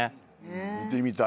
見てみたい。